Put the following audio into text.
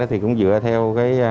thì cũng dựa theo